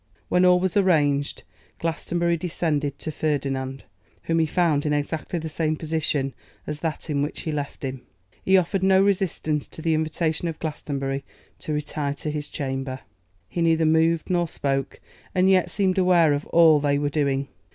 When all was arranged Glastonbury descended to Ferdinand, whom he found in exactly the same position as that in which he left him. He offered no resistance to the invitation of Glastonbury to retire to his chamber. He neither moved nor spoke, and yet seemed aware of all they were doing.